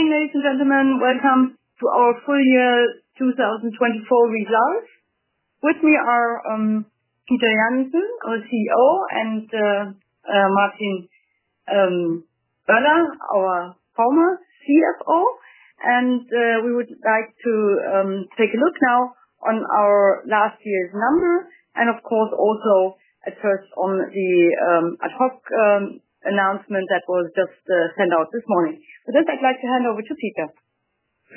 Good morning, ladies and gentlemen. Welcome to our Full Year 2024 results. With me are Peter Janssen, our CEO, and Martin Möller, our former CFO. We would like to take a look now on our last year's number, and of course also at first on the ad hoc announcement that was just sent out this morning. With this, I'd like to hand over to Peter.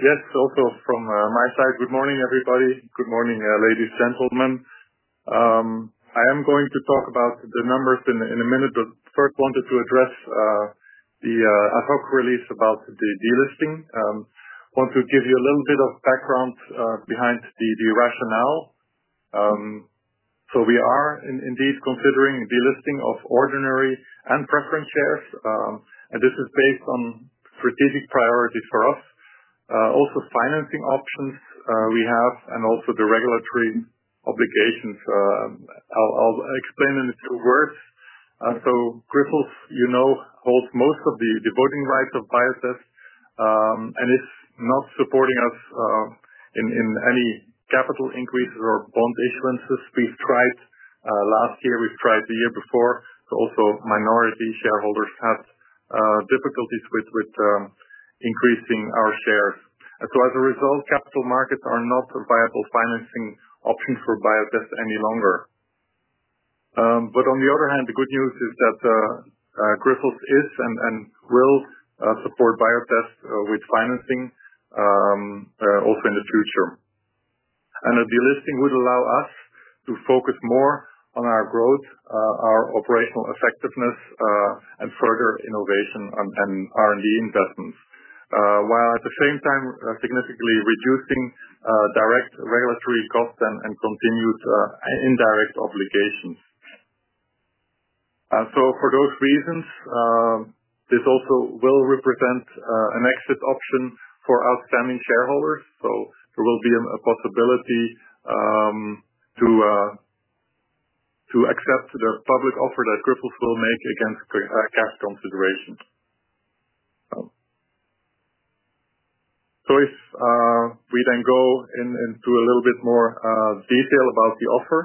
Yes, also from my side, good morning, everybody. Good morning, ladies and gentlemen. I am going to talk about the numbers in a minute, but first wanted to address the ad hoc release about the delisting. I want to give you a little bit of background behind the rationale. We are indeed considering delisting of ordinary and preference shares, and this is based on strategic priorities for us, also financing options we have, and also the regulatory obligations. I'll explain in a few words. Grifols, you know, holds most of the voting rights of Biotest, and it's not supporting us in any capital increases or bond issuances. We've tried last year, we've tried the year before, but also minority shareholders had difficulties with increasing our shares. As a result, capital markets are not a viable financing option for Biotest any longer. On the other hand, the good news is that Grifols is and will support Biotest with financing, also in the future. The delisting would allow us to focus more on our growth, our operational effectiveness, and further innovation on R&D investments, while at the same time significantly reducing direct regulatory costs and continued indirect obligations. For those reasons, this also will represent an exit option for outstanding shareholders. There will be a possibility to accept the public offer that Grifols will make against cash consideration. If we then go into a little bit more detail about the offer.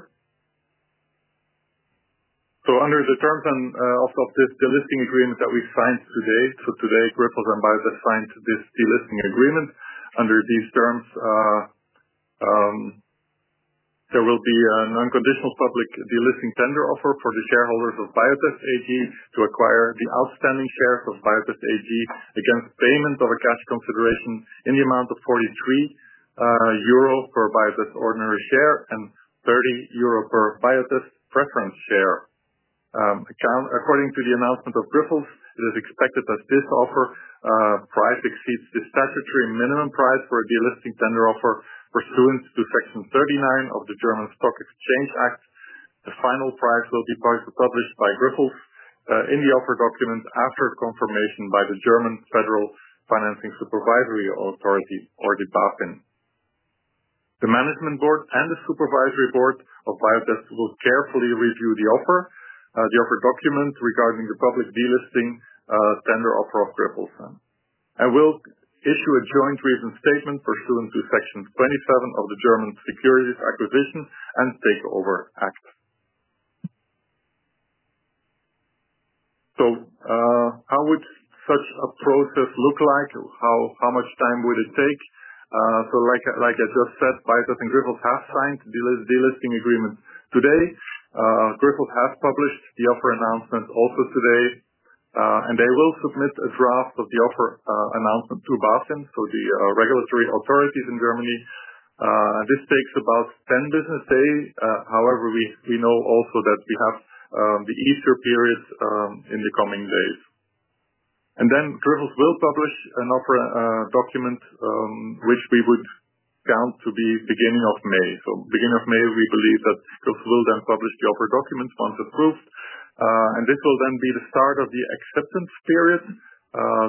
Under the terms of this delisting agreement that we've signed today, today Grifols and Biotest signed this delisting agreement. Under these terms, there will be an unconditional public delisting tender offer for the shareholders of Biotest AG to acquire the outstanding shares of Biotest AG against payment of a cash consideration in the amount of 43 euro per Biotest ordinary share and 30 euro per Biotest preference share. According to the announcement of Grifols, it is expected that this offer price exceeds the statutory minimum price for a delisting tender offer pursuant to Section 39 of the German Stock Exchange Act. The final price will be published by Grifols in the offer document after confirmation by the German Federal Financial Supervisory Authority or the BaFin. The Management Board and the Supervisory Board of Biotest will carefully review the offer, the offer document regarding the public delisting, tender offer of Grifols and will issue a joint reasoned statement pursuant to Section 27 of the German Securities Acquisition and Takeover Act. How would such a process look like? How much time would it take? Like I just said, Biotest and Grifols have signed the delisting agreement today. Grifols has published the offer announcement also today, and they will submit a draft of the offer announcement to BaFin, the regulatory authorities in Germany. This takes about 10 business days. However, we know also that we have the Easter period in the coming days. Grifols will publish an offer document, which we would count to be beginning of May. Beginning of May, we believe that Grifols will then publish the offer document once approved. This will then be the start of the acceptance period.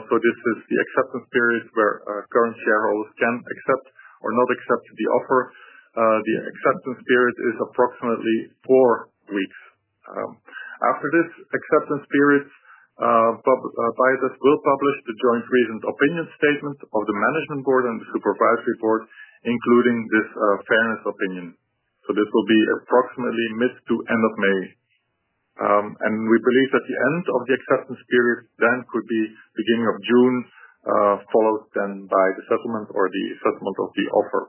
This is the acceptance period where current shareholders can accept or not accept the offer. The acceptance period is approximately four weeks. After this acceptance period, Biotest will publish the joint reasoned opinion statement of the Management Board and the Supervisory Board, including this fairness opinion. This will be approximately mid to end of May. We believe that the end of the acceptance period then could be beginning of June, followed then by the settlement or the settlement of the offer.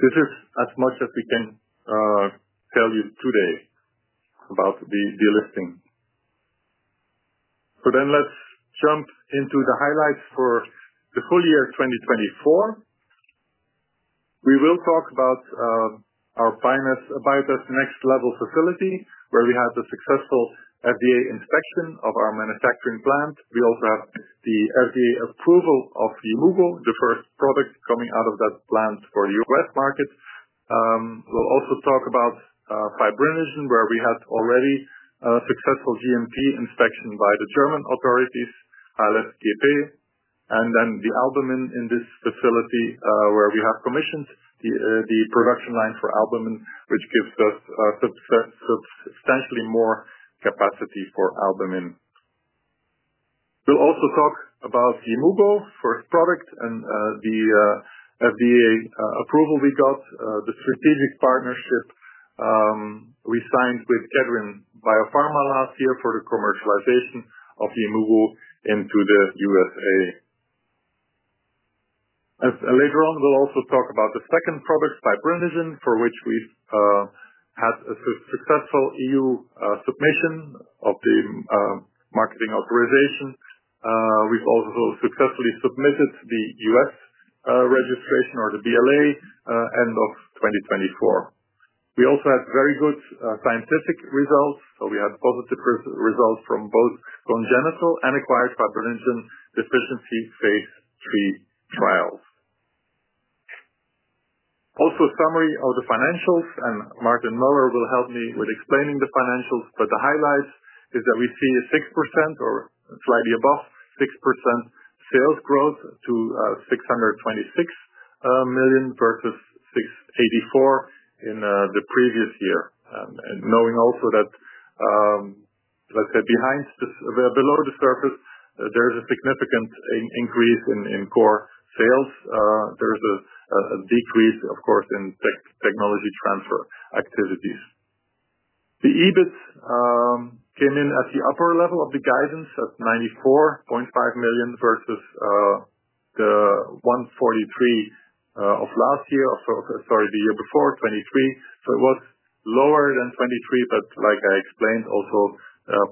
This is as much as we can tell you today about the delisting. Let's jump into the highlights for the full year 2024. We will talk about our finest Biotest Next Level facility where we had the successful FDA inspection of our manufacturing plant. We also have the FDA approval of Yimmugo®, the first product coming out of that plant for the U.S. market. We'll also talk about Fibrinogen where we had already successful GMP inspection by the German authorities, HLfGP. Then the Albumin in this facility, where we have commissioned the production line for Albumin, which gives us substantially more capacity for Albumin. We'll also talk about Yimmugo®, first product, and the FDA approval we got, the strategic partnership we signed with Kedrion Biopharma last year for the commercialization of Yimmugo® into the United States. Later on, we'll also talk about the second product, Fibrinogen, for which we've had a successful E.U. submission of the marketing authorization. We've also successfully submitted the U.S. registration, or the BLA, end of 2024. We also had very good scientific results. We had positive results from both congenital and acquired fibrinogen deficiency phase III trials. Also, a summary of the financials, and Martin Möller will help me with explaining the financials, but the highlights is that we see a 6% or slightly above 6% sales growth to 626 million versus 684 million in the previous year. Knowing also that, let's say, below the surface, there's a significant increase in core sales. There's a decrease, of course, in technology transfer activities. The EBIT came in at the upper level of the guidance at 94.5 million versus the 143 million of last year, of, sorry, the year before, 2023. It was lower than 2023, but like I explained, also,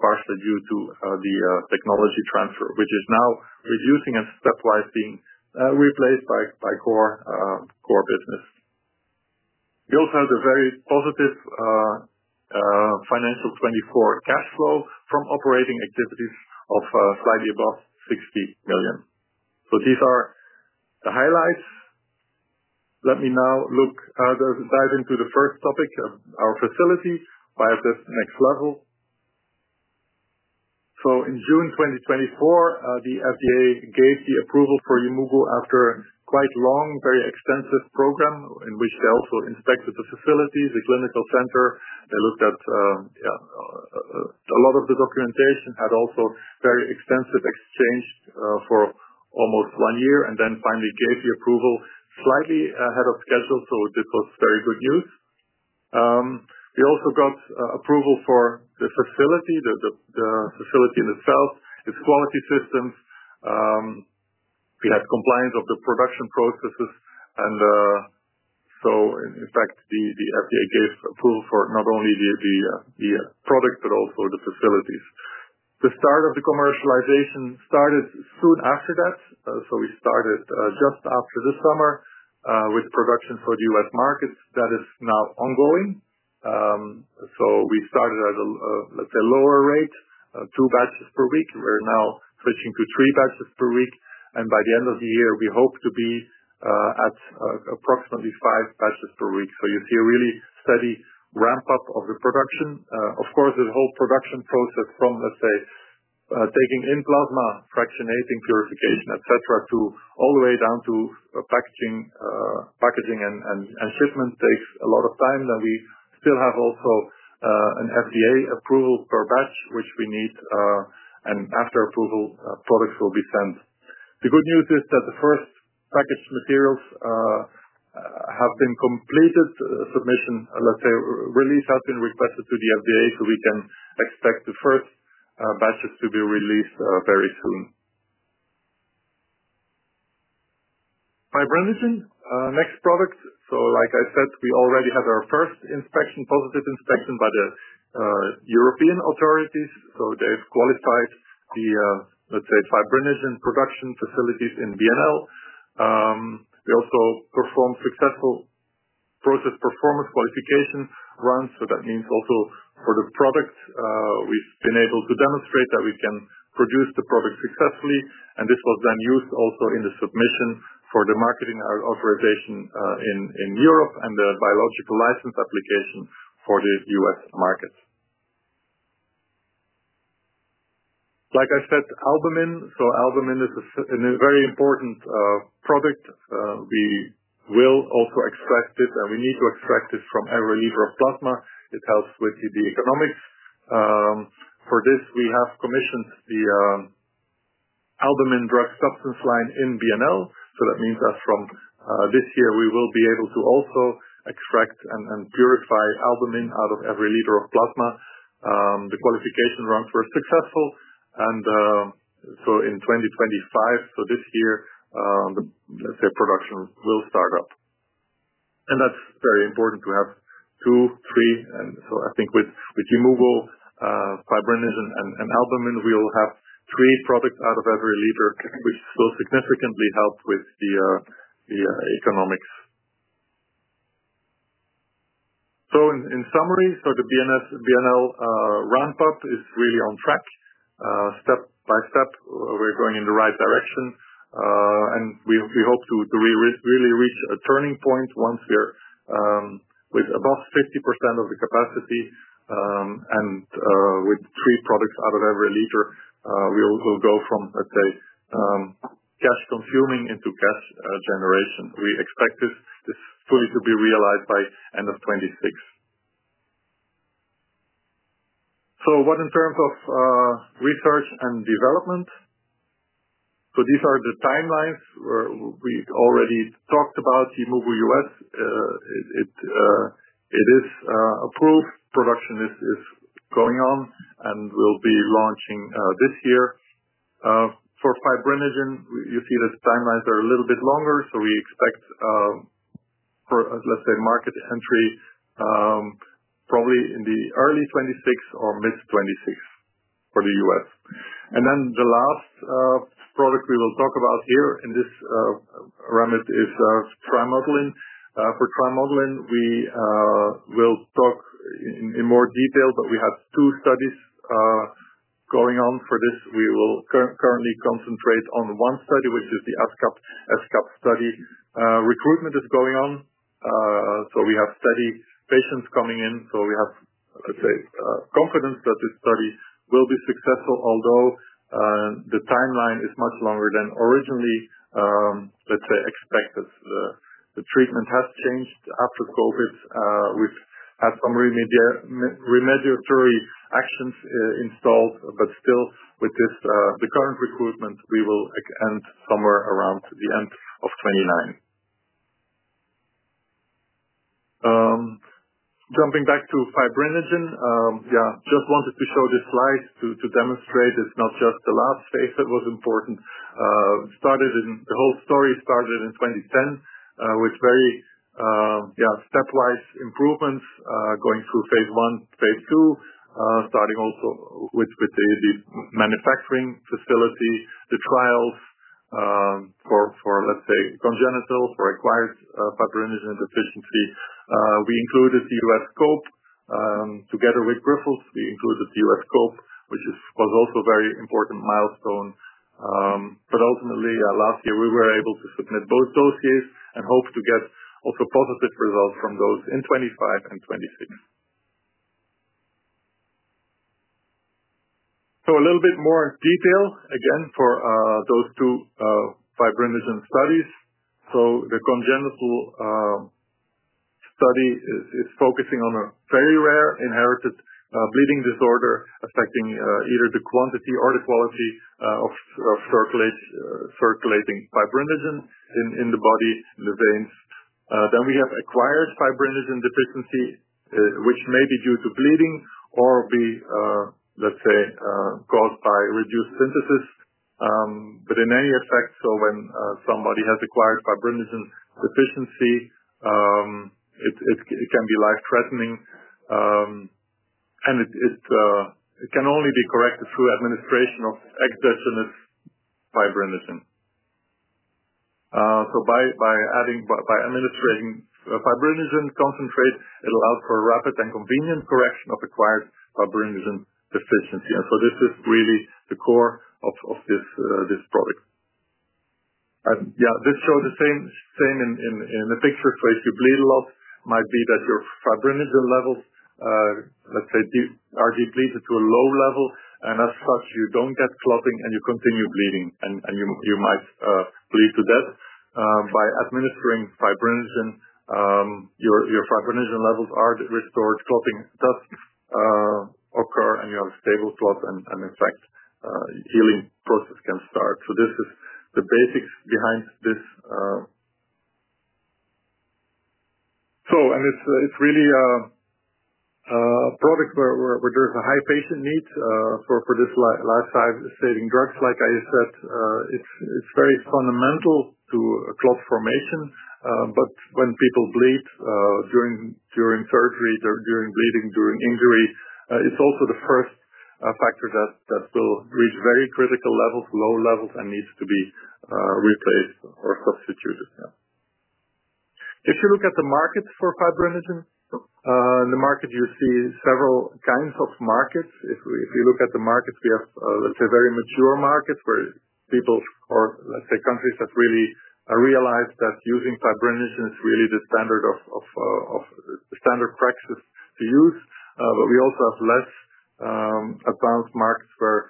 partially due to the technology transfer, which is now reducing and stepwise being replaced by core business. We also had a very positive financial 2024 cash flow from operating activities of slightly above 60 million. These are the highlights. Let me now look, dive into the first topic of our facility, Biotest Next Level. In June 2024, the FDA gave the approval for Yimmugo® after quite long, very extensive program in which they also inspected the facility, the clinical center. They looked at, yeah, a lot of the documentation, had also very extensive exchange, for almost one year, and then finally gave the approval slightly ahead of schedule. This was very good news. We also got approval for the facility, the facility in itself, its quality systems. We had compliance of the production processes, and, in fact, the FDA gave approval for not only the product, but also the facilities. The start of the commercialization started soon after that. We started just after the summer with production for the U.S. markets that is now ongoing. We started at a, let's say, lower rate, two batches per week. We're now switching to three batches per week. By the end of the year, we hope to be at approximately five batches per week. You see a really steady ramp up of the production. Of course, the whole production process from, let's say, taking in plasma, fractionating, purification, etc., all the way down to packaging, packaging and shipment takes a lot of time. We still have also an FDA approval per batch, which we need, and after approval, products will be sent. The good news is that the first packaged materials have been completed. Submission, let's say, release has been requested to the FDA, so we can expect the first batches to be released very soon. Fibrinogen, next product. Like I said, we already had our first inspection, positive inspection by the European authorities. They have qualified the, let's say, Fibrinogen production facilities in BNL. We also performed successful process performance qualification runs. That means also for the product, we have been able to demonstrate that we can produce the product successfully. This was then used also in the submission for the marketing authorization in Europe and the biological license application for the US market. Like I said, Albumin. Albumin is a very important product. We will also extract this, and we need to extract this from every liter of plasma. It helps with the, the economics. For this, we have commissioned the Albumin drug substance line in BNL. That means that from this year, we will be able to also extract and purify Albumin out of every liter of plasma. The qualification runs were successful. In 2025, this year, the, let's say, production will start up. That is very important to have two, three. I think with Yimmugo®, Fibrinogen, and Albumin, we will have three products out of every liter, which still significantly helped with the, the economics. In summary, the BNL ramp-up is really on track, step by step. We're going in the right direction. We hope to really reach a turning point once we are with above 50% of the capacity, and with three products out of every liter, we'll go from, let's say, cash consuming into cash generation. We expect this fully to be realized by end of 2026. What in terms of research and development? These are the timelines where we already talked about Yimmugo® U.S. It is approved. Production is going on and will be launching this year. For Fibrinogen, you see that the timelines are a little bit longer. We expect, for, let's say, market entry, probably in early 2026 or mid 2026 for the U.S. The last product we will talk about here in this remit is Trimodulin. For Trimodulin, we will talk in more detail, but we had two studies going on for this. We will currently concentrate on one study, which is the ESsCAPE study. Recruitment is going on, so we have steady patients coming in. We have, let's say, confidence that this study will be successful, although the timeline is much longer than originally, let's say, expected. The treatment has changed after COVID. We've had some remediatory actions installed, but still with this, the current recruitment, we will end somewhere around the end of 2029. Jumping back to Fibrinogen, I just wanted to show this slide to demonstrate it's not just the last phase that was important. The whole story started in 2010, with very, yeah, stepwise improvements, going through phase I, phase II, starting also with the manufacturing facility, the trials, for, for, let's say, congenital for Acquired Fibrinogen Deficiency. We included the U.S. scope, together with Grifols. We included the U.S. scope, which is, was also a very important milestone. Ultimately, last year, we were able to submit both dossiers and hope to get also positive results from those in 2025 and 2026. A little bit more detail again for those two fibrinogen studies. The congenital study is focusing on a very rare inherited bleeding disorder affecting either the quantity or the quality of circulating Fibrinogen in the body, in the veins. Then we have Acquired Fibrinogen Deficiency, which may be due to bleeding or be, let's say, caused by reduced synthesis. In any effect, when somebody has Acquired Fibrinogen Deficiency, it can be life-threatening. It can only be corrected through administration of exogenous fibrinogen. By administrating Fibrinogen concentrate, it will allow for a rapid and convenient correction of Acquired Fibrinogen Deficiency. This is really the core of this product. This shows the same in the picture. If you bleed a lot, it might be that your fibrinogen levels are depleted to a low level, and as such, you do not get clotting and you continue bleeding, and you might bleed to death. By administering Fibrinogen, your fibrinogen levels are restored. Clotting does occur and you have a stable clot, and in fact, the healing process can start. This is the basics behind this, and it's really a product where there's a high patient need for these lifesaving drugs. Like I said, it's very fundamental to clot formation. When people bleed during surgery, during bleeding, during injury, it's also the first factor that will reach very critical levels, low levels, and needs to be replaced or substituted. Yeah. If you look at the markets for Fibrinogen, in the market, you see several kinds of markets. If we look at the markets, we have, let's say, very mature markets where people or, let's say, countries have really realized that using Fibrinogen is really the standard of the standard practices to use. We also have less advanced markets where,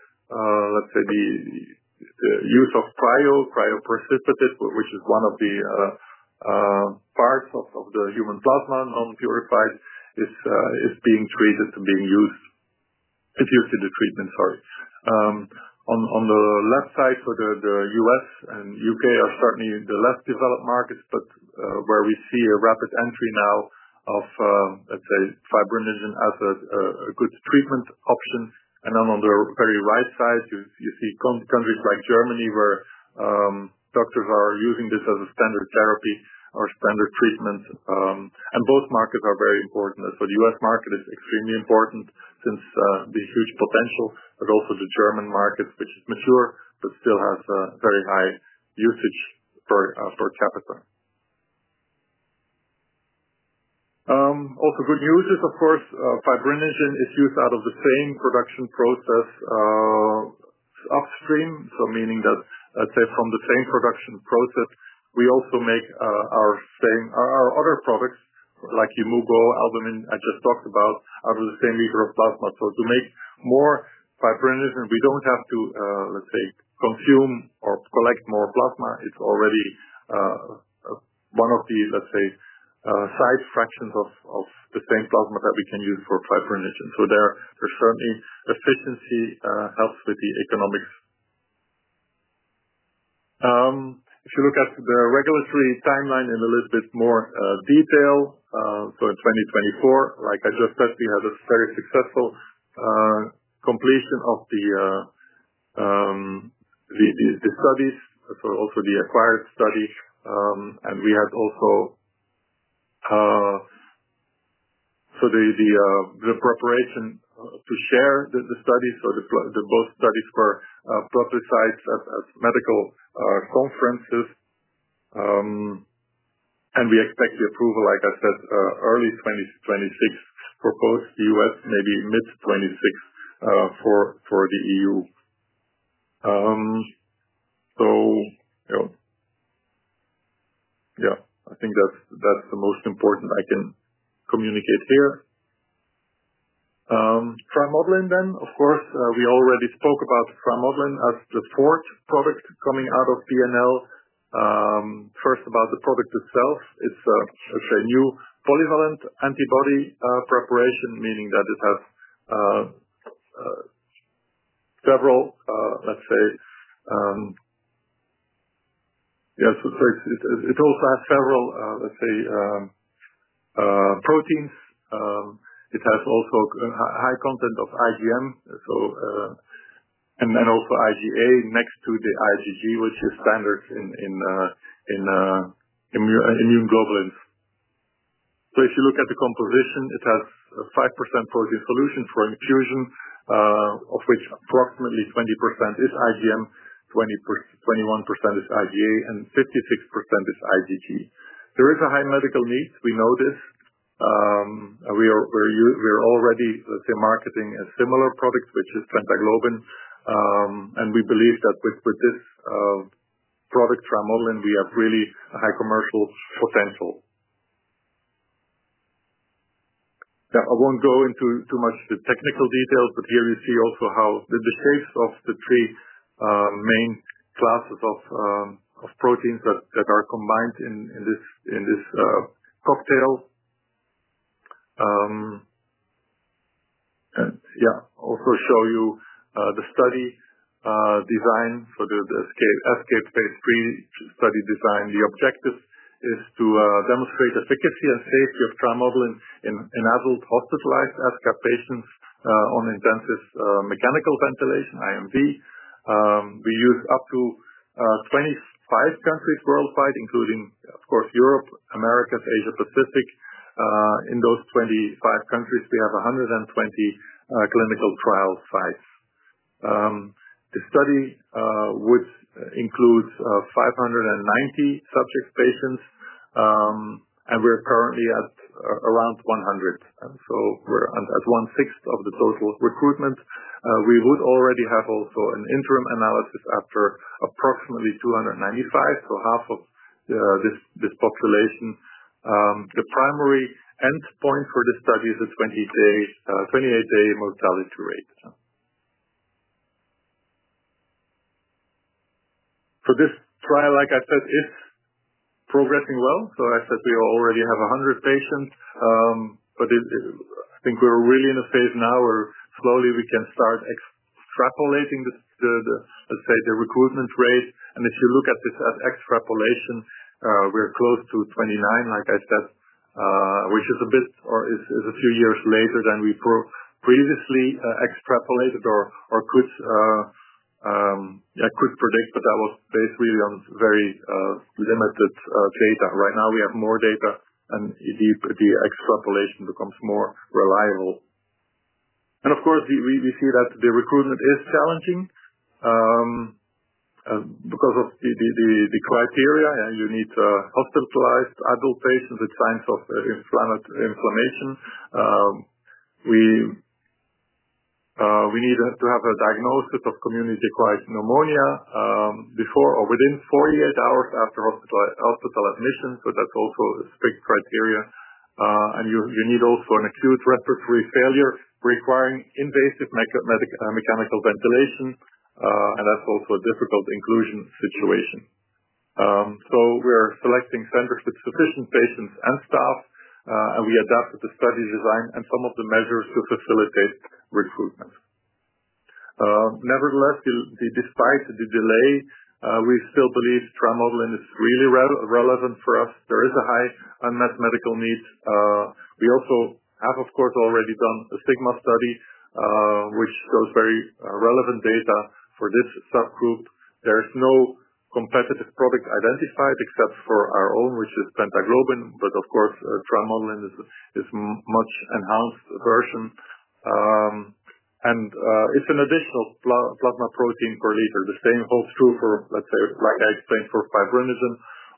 let's say, the use of cryoprecipitate, which is one of the parts of the human plasma, non-purified, is being treated and being used, is used in the treatment, sorry. On the left side, the U.S. and U.K. are certainly the less developed markets, where we see a rapid entry now of, let's say, Fibrinogen as a good treatment option. On the very right side, you see countries like Germany where doctors are using this as a standard therapy or standard treatment. Both markets are very important. The U.S. market is extremely important since the huge potential, but also the German market, which is mature but still has very high usage for capital. Also, good news is, of course, Fibrinogen is used out of the same production process, upstream. Meaning that, let's say, from the same production process, we also make our same, our other products like Yimmugo®, Albumin, I just talked about out of the same liter of plasma. To make more Fibrinogen, we don't have to, let's say, consume or collect more plasma. It's already one of the, let's say, side fractions of the same plasma that we can use for Fibrinogen. There is certainly efficiency, helps with the economics. If you look at the regulatory timeline in a little bit more detail, in 2024, like I just said, we had a very successful completion of the studies, also the acquired study. We had also the preparation to share the studies. The both studies were publicized at medical conferences. We expect the approval, like I said, early 2026 for both the US, maybe mid 2026 for the E.U. Yeah, I think that's the most important I can communicate here. Trimodulin then, of course, we already spoke about Trimodulin as the fourth product coming out of BNL. First about the product itself, it's a, let's say, new polyvalent antibody preparation, meaning that it has several, let's say, yes, so it also has several, let's say, proteins. It has also a high content of IgM. So, and then also IgA next to the IgG, which is standard in immunoglobulins. If you look at the composition, it has a 5% protein solution for infusion, of which approximately 20% is IgM, 21% is IgA, and 56% is IgG. There is a high medical need. We know this. We are, we're us, we're already, let's say, marketing a similar product, which is Pentaglobin®. We believe that with this product, Trimodulin, we have really a high commercial potential. I won't go into too much the technical details, but here you see also how the shapes of the three main classes of proteins that are combined in this cocktail. I also show you the study design for the ESsCAPE— ESsCAPE phase III study design. The objective is to demonstrate efficacy and safety of Trimodulin in adult hospitalized ESsCAPE patients on intensive mechanical ventilation, IMV. We use up to 25 countries worldwide, including, of course, Europe, Americas, Asia Pacific. In those 25 countries, we have 120 clinical trial sites. The study would include 590 subject patients. We're currently at around 100, and so we're at one sixth of the total recruitment. We would already have also an interim analysis after approximately 295, so half of this population. The primary end point for the study is a 28-day mortality rate. This trial, like I said, is progressing well. I said we already have 100 patients, but I think we're really in a phase now where slowly we can start extrapolating the recruitment rate. If you look at this as extrapolation, we're close to 2029, like I said, which is a bit or is a few years later than we previously extrapolated or could predict, but that was based really on very limited data. Right now we have more data and the extrapolation becomes more reliable. Of course, we see that the recruitment is challenging, because of the criteria. Yeah, you need hospitalized adult patients with signs of inflammation, inflammation. We need to have a diagnosis of community-acquired pneumonia, before or within 48 hours after hospital admission. That is also a strict criteria. You need also an acute respiratory failure requiring invasive mechanical ventilation. That is also a difficult inclusion situation. We are selecting centers with sufficient patients and staff, and we adapted the study design and some of the measures to facilitate recruitment. Nevertheless, despite the delay, we still believe Trimodulin is really relevant for us. There is a high unmet medical need. We also have, of course, already done a CIGMA study, which shows very relevant data for this subgroup. There's no competitive product identified except for our own, which is Pentaglobin®, but of course, Trimodulin is a much enhanced version, and it's an additional plasma protein per liter. The same holds true for, like I explained, for Fibrinogen.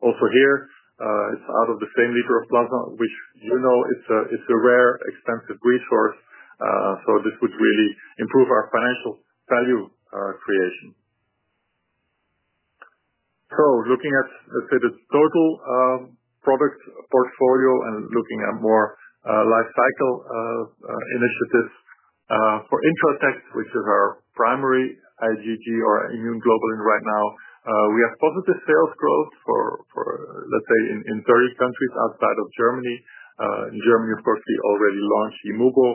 Also here, it's out of the same liter of plasma, which, you know, it's a rare, expensive resource. This would really improve our financial value creation. Looking at, let's say, the total product portfolio and looking at more lifecycle initiatives for Intratect®, which is our primary IgG or immune globulin right now, we have positive sales growth for, let's say, in 30 countries outside of Germany. In Germany, of course, we already launched Yimmugo®,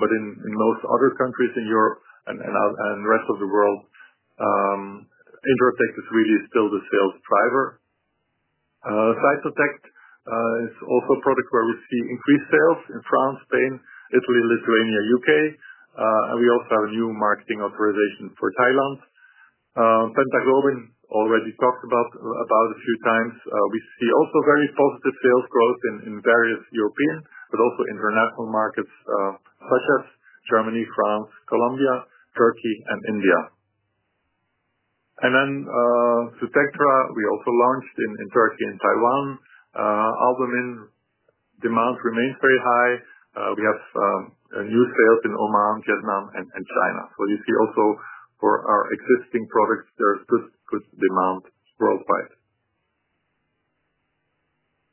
but in most other countries in Europe and the rest of the world, Intratect® is really still the sales driver. Cytotect® is also a product where we see increased sales in France, Spain, Italy, Lithuania, U.K., and we also have a new marketing authorization for Thailand. Pentaglobin®, already talked about a few times, we see also very positive sales growth in various European, but also international markets, such as Germany, France, Colombia, Turkey, and India. Zutectra®, we also launched in Turkey and Taiwan. Albumin demand remains very high. We have new sales in Oman, Vietnam, and China. You see also for our existing products, there is good demand worldwide.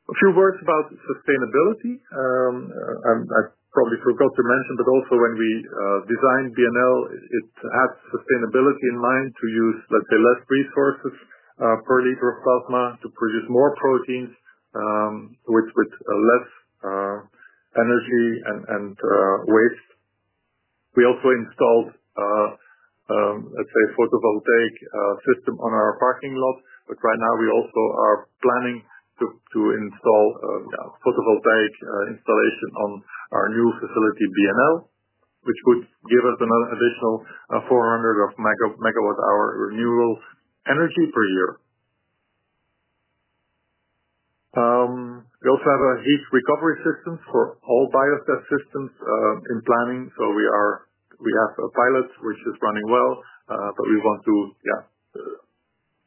A few words about sustainability. I probably forgot to mention, but also when we designed BNL, it had sustainability in mind to use, let's say, less resources per liter of plasma to produce more proteins with less energy and waste. We also installed, let's say, a photovoltaic system on our parking lot, but right now we also are planning to install, yeah, photovoltaic installation on our new facility BNL, which would give us an additional 400 megawatt-hour renewable energy per year. We also have a heat recovery system for all biosystems in planning. We have a pilot which is running well, but we want to, yeah,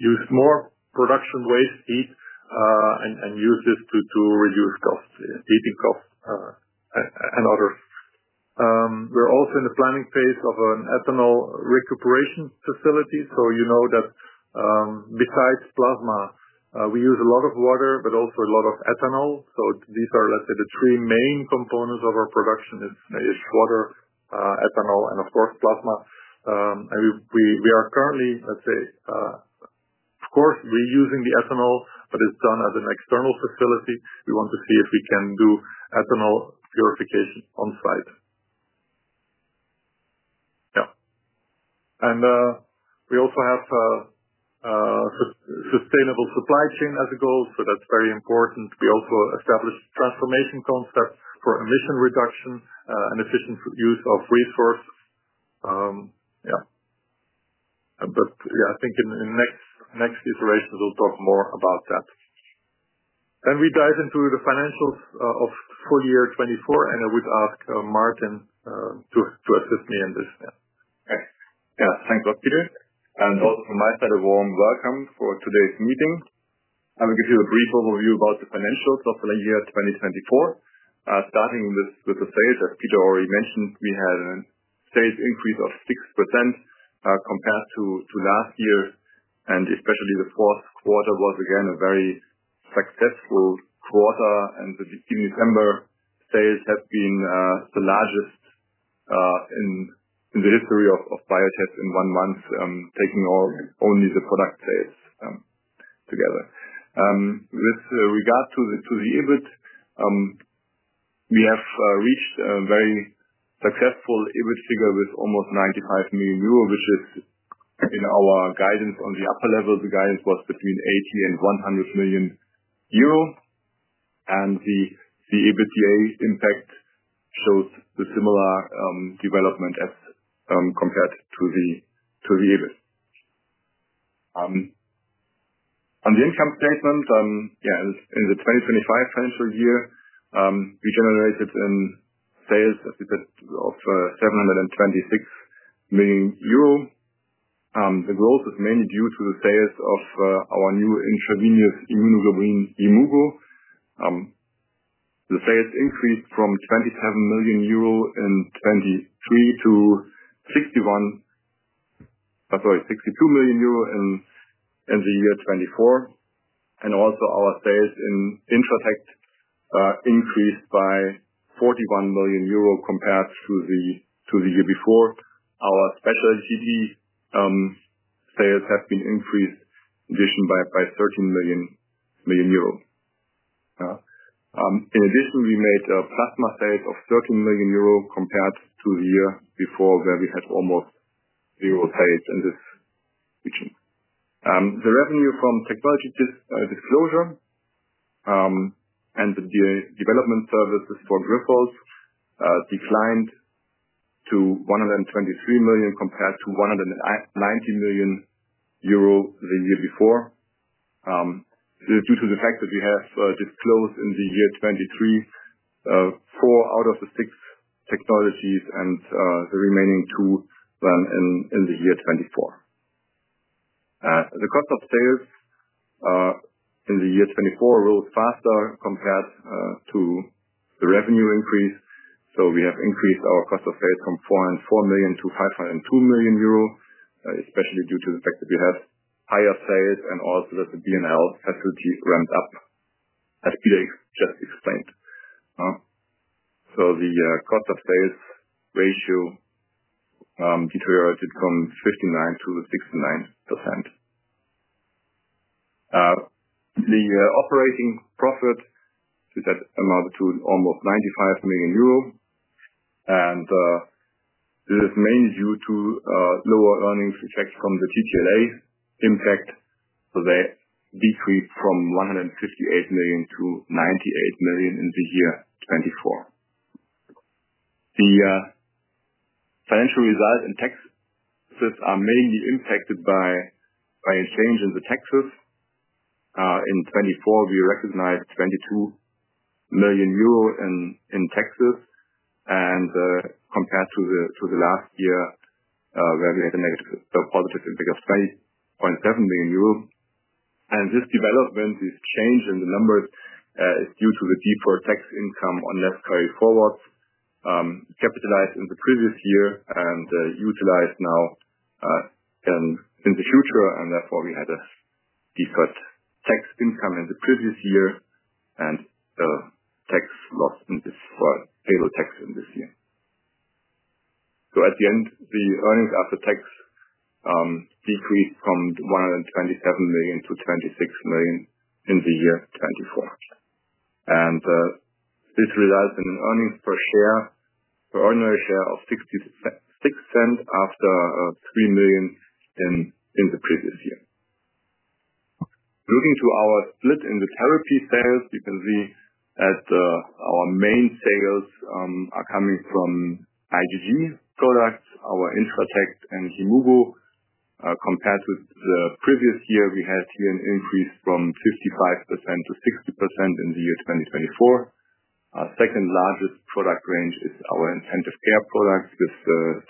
use more production waste heat, and use this to reduce costs, heating costs, and others. We are also in the planning phase of an ethanol recuperation facility. You know that, besides plasma, we use a lot of water, but also a lot of ethanol. These are, let's say, the three main components of our production: it's water, ethanol, and of course, plasma. We are currently, let's say, of course, reusing the ethanol, but it is done at an external facility. We want to see if we can do ethanol purification on site. Yeah. We also have sustainable supply chain as a goal. That is very important. We also established a transformation concept for emission reduction and efficient use of resources. Yeah. I think in next iteration, we will talk more about that. We dive into the financials of full year 2024, and I would ask Martin to assist me in this. Yeah. Okay. Yeah. Thanks, Peter Janssen. Also from my side, a warm welcome for today's meeting. I will give you a brief overview about the financials of the year 2024. Starting with the sales, as Peter already mentioned, we had a sales increase of 6% compared to last year. Especially the Q4 was again a very successful quarter. The December sales have been the largest in the history of Biotest in one month, taking only the product sales together. With regard to the EBIT, we have reached a very successful EBIT figure with almost 95 million euro, which is in our guidance on the upper level. The guidance was between 80 million and 100 million euro. The EBITDA impact shows a similar development as compared to the EBIT. On the income statement, in the 2025 financial year, we generated sales, as we said, of 726 million euro. The growth is mainly due to the sales of our new intravenous immunoglobulin Yimmugo®. The sales increased from 27 million euro in 2023 to 62 million euro in the year 2024. Our sales in Intratect® increased by 41 million euro compared to the year before. Our specialty sales have been increased in addition by 13 million. In addition, we made plasma sales of 13 million euro compared to the year before, where we had almost zero sales in this region. The revenue from technology disclosure and the development services for Grifols declined to 123 million compared to 190 million euro the year before, due to the fact that we have disclosed in the year 2023 four out of the six technologies and the remaining two then in the year 2024. The cost of sales in the year 2024 rose faster compared to the revenue increase. We have increased our cost of sales from 404 million to 502 million, especially due to the fact that we have higher sales and also that the BNL facility ramp-up, as Peter just explained. The cost of sales ratio deteriorated from 59% to 69%. The operating profit amounted to almost EUR 95 million. This is mainly due to lower earnings effect from the TTLA impact. They decreased from 158 million to 98 million in the year 2024. The financial result and taxes are mainly impacted by a change in the taxes. In 2024, we recognized 22 million euro in taxes, compared to the last year, where we had a negative, positive impact of 20.7 million euros. This development, this change in the numbers, is due to the deferred tax income on net carry forwards, capitalized in the previous year and utilized now and in the future. Therefore, we had a deferred tax income in the previous year and tax loss in this for table tax in this year. At the end, the earnings after tax decreased from 127 million to 26 million in the year 2024. This results in an earnings per share, ordinary share, of 0.66 after 3 million in the previous year. Looking to our split in the therapy sales, you can see that our main sales are coming from IgG products, our Intratect® and Yimmugo®. Compared with the previous year, we had here an increase from 55% to 60% in the year 2024. Our second largest product range is our Intensive Care products with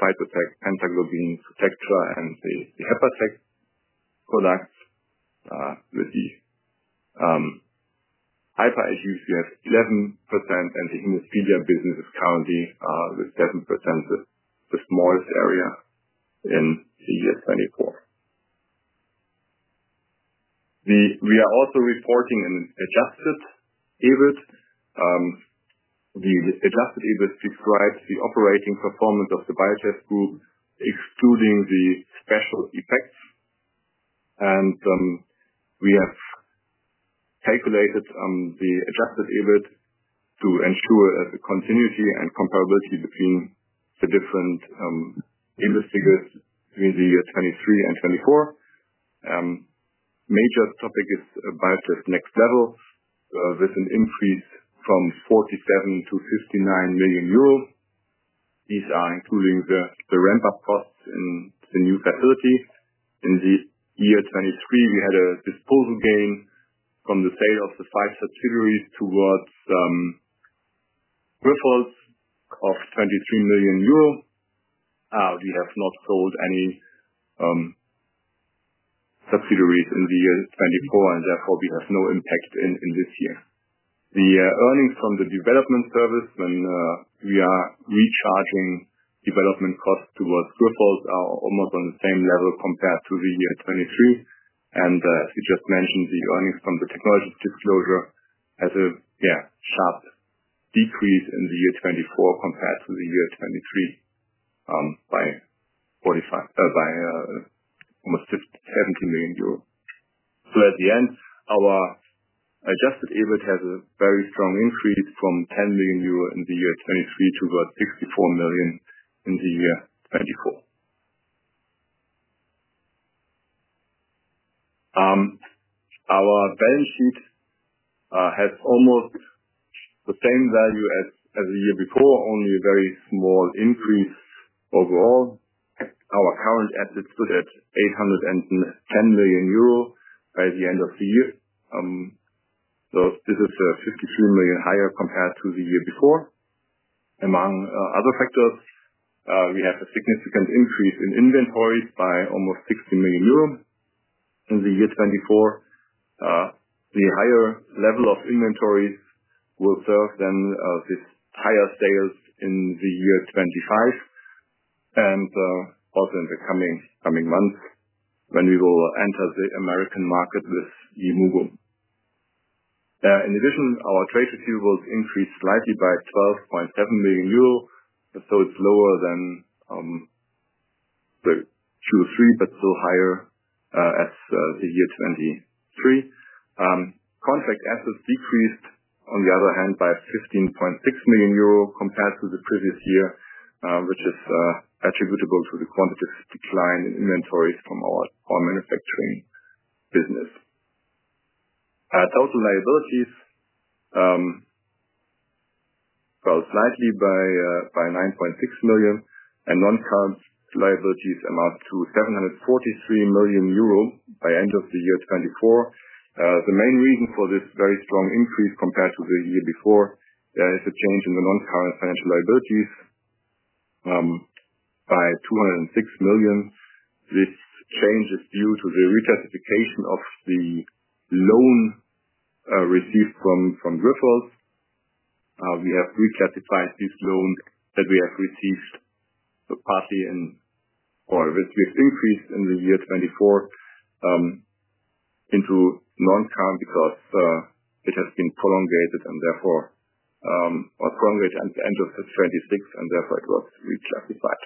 Cytotect®, Pentaglobin®, Zutectra®, and the Hepatect® products. With the hyper IgG, we have 11%, and the haemophilia business is currently with 7%, the smallest area in the year 2024. We are also reporting an adjusted EBIT. The adjusted EBIT describes the operating performance of the Biotest group, excluding the special effects. We have calculated the adjusted EBIT to ensure a continuity and comparability between the different EBIT figures between the year 2023 and 2024. Major topic is Biotest Next Level, with an increase from 47 million to 59 million. These are including the ramp-up costs in the new facility. In the year 2023, we had a disposal gain from the sale of the five subsidiaries towards Grifols of 23 million euro. We have not sold any subsidiaries in the year 2024, and therefore we have no impact in this year. The earnings from the development service when we are recharging development costs towards Grifols are almost on the same level compared to the year 2023. As we just mentioned, the earnings from the technology disclosure has a sharp decrease in the year 2024 compared to the year 2023, by 45, by almost 70 million euros. At the end, our adjusted EBIT has a very strong increase from 10 million euro in the year 2023 to about 64 million in the year 2024. Our balance sheet has almost the same value as the year before, only a very small increase overall. Our current assets stood at 810 million euro by the end of the year. This is 53 million higher compared to the year before. Among other factors, we have a significant increase in inventories by almost 60 million euros in the year 2024. The higher level of inventories will serve then, these higher sales in the year 2025 and also in the coming, coming months when we will enter the American market with Yimmugo®. In addition, our trade receivables increased slightly by 12.7 million euro, so it's lower than the Q3, but still higher, as the year 2023. Contract assets decreased, on the other hand, by 15.6 million euro compared to the previous year, which is attributable to the quantitative decline in inventories from our manufacturing business. Total liabilities fell slightly by 9.6 million, and non-current liabilities amount to 743 million euro by end of the year 2024. The main reason for this very strong increase compared to the year before, there is a change in the non-current financial liabilities, by 206 million. This change is due to the reclassification of the loan, received from, from Grifols. We have reclassified this loan that we have received partly in, or with, with increase in the year 2024, into non-current because, it has been prolongated and therefore, or prolongated at the end of 2026, and therefore it was reclassified.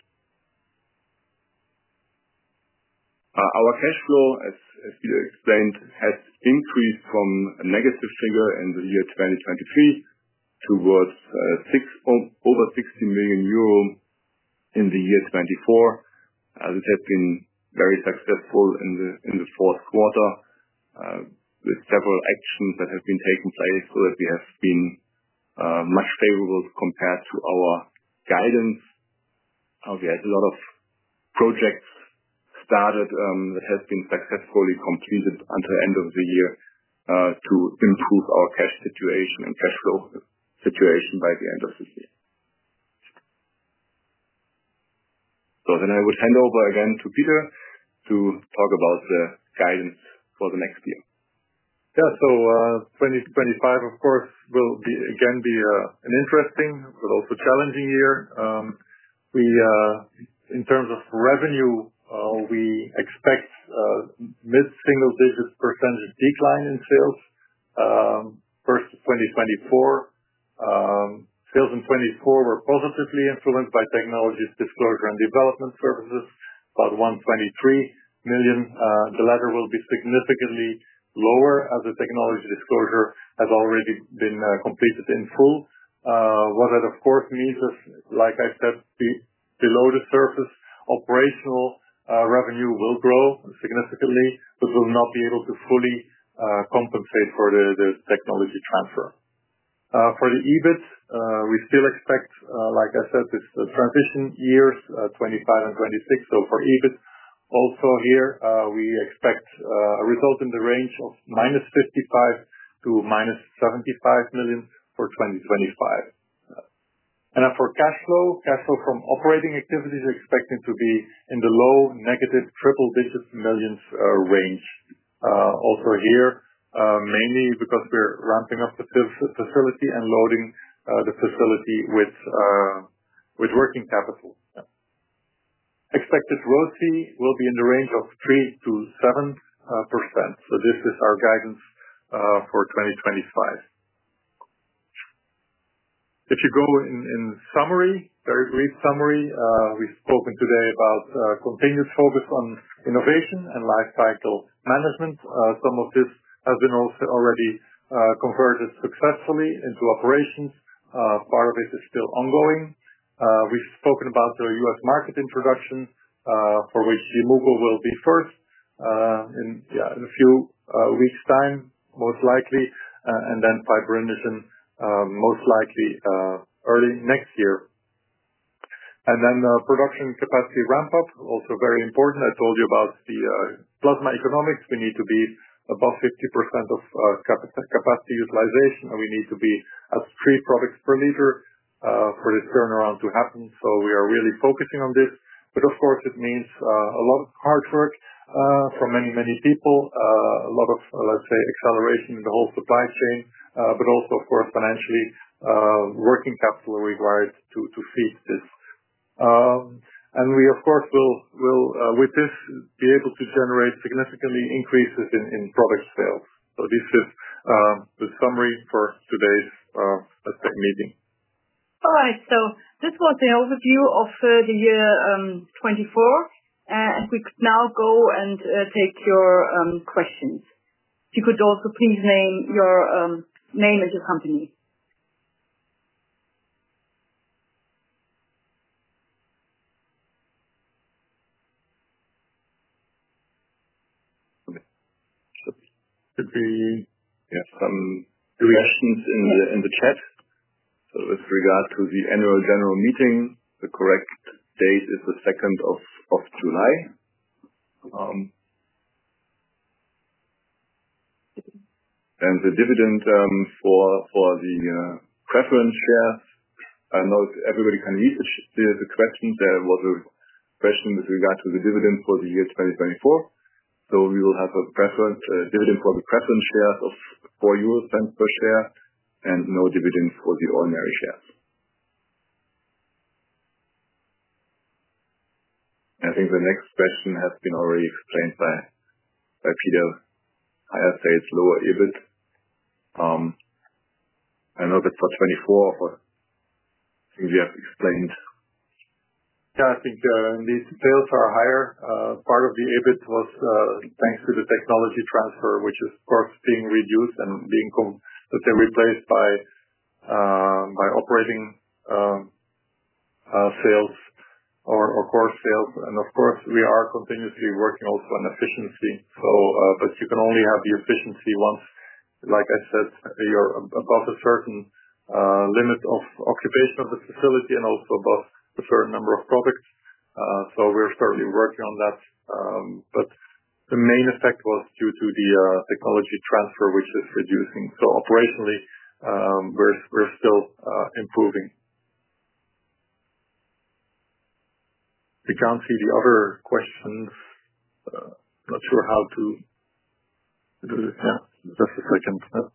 Our cash flow, as Peter explained, has increased from a negative figure in the year 2023 towards, over 60 million in the year 2024. This has been very successful in the Q4, with several actions that have been taking place so that we have been much favorable compared to our guidance. We had a lot of projects started that have been successfully completed until end of the year to improve our cash situation and cash flow situation by the end of this year. I would hand over again to Peter to talk about the guidance for the next year. Yeah. 2025, of course, will again be an interesting but also challenging year. We, in terms of revenue, expect mid-single-digit percentage decline in sales. First 2024, sales in 2024 were positively influenced by technology disclosure and development services, about 123 million. The latter will be significantly lower as the technology disclosure has already been completed in full. What that, of course, means is, like I said, below the surface, operational revenue will grow significantly, but will not be able to fully compensate for the technology transfer. For the EBIT, we still expect, like I said, this transition years, 2025 and 2026. For EBIT also here, we expect a result in the range of -55 million to -75 million for 2025. For cash flow, cash flow from operating activities expected to be in the low negative triple-digit millions range. Also here, mainly because we're ramping up the facility and loading the facility with working capital. Expected ROCE will be in the range of 3% to 7%. This is our guidance for 2025. If you go in, in summary, very brief summary, we've spoken today about continuous focus on innovation and lifecycle management. Some of this has been also already converted successfully into operations. Part of it is still ongoing. We've spoken about the US market introduction, for which Yimmugo® will be first, in, yeah, in a few weeks' time, most likely, and then Fibrinogen, most likely, early next year. The production capacity ramp-up is also very important. I told you about the plasma economics. We need to be above 50% of capacity utilization, and we need to be at three products per liter for this turnaround to happen. We are really focusing on this. Of course, it means a lot of hard work from many, many people, a lot of, let's say, acceleration in the whole supply chain, but also, of course, financially, working capital required to feed this. We, of course, will, with this, be able to generate significantly increases in product sales. This is the summary for today's, let's say, meeting. All right. This was the overview of the year 2024. We could now go and take your questions. If you could also please name your name and your company. Okay. There should be some questions in the chat. With regard to the annual general meeting, the correct date is the 2nd of July. The dividend for the preference shares, I know everybody can read the question. There was a question with regard to the dividend for the year 2024. We will have a preference dividend for the preference shares of 0.04 per share and no dividend for the ordinary shares. I think the next question has been already explained by Peter. I have said lower EBIT. I know that for 2024, I think we have explained. I think these sales are higher. Part of the EBIT was, thanks to the technology transfer, which is, of course, being reduced and being, let's say, replaced by, by operating, sales or, or core sales. Of course, we are continuously working also on efficiency. You can only have the efficiency once, like I said, you're above a certain limit of occupation of the facility and also above a certain number of products. We're certainly working on that. The main effect was due to the technology transfer, which is reducing. Operationally, we're still improving. We can't see the other questions. Not sure how to do this. Just a second.